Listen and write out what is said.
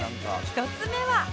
１つ目は